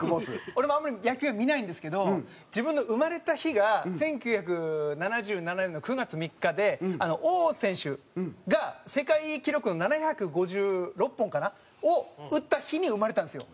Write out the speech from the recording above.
俺もあんまり野球は見ないんですけど自分の生まれた日が１９７７年の９月３日で王選手が世界記録の７５６本かな？を打った日に生まれたんですよ。